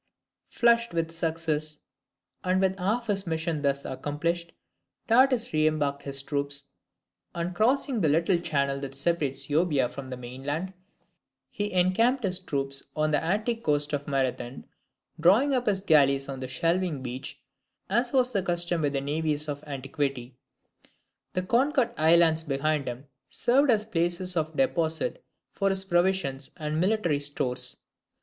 Flushed with success, and with half his mission thus accomplished, Datis reimbarked his troops, and crossing the little channel that separates Euboea from the mainland, he encamped his troops on the Attic coast at Marathon, drawing up his galleys on the shelving beach, as was the custom with the navies of antiquity. The conquered islands behind him served as places of deposit for his provisions and military stores.